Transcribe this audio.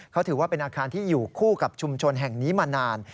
เขาถือว่าเป็นอาคารที่อยู่คู่กับชุมชนแห่งนี้มานาน